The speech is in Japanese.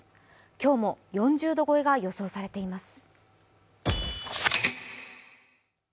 今日も４０度超えが予想されています。